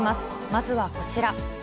まずはこちら。